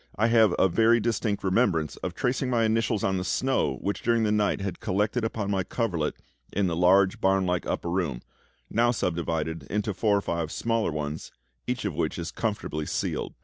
I have a very distinct remembrance of tracing my initials on the snow which during the night had collected upon my coverlet in the large barn like upper room, now subdivided into four or five smaller ones, each of which is comfortably ceiled.